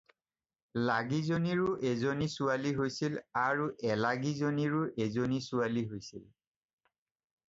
লাগীজনীৰো এজনী ছোৱালী হৈছিল আৰু এলাগীজনীৰো এজনী ছোৱালী হৈছিল।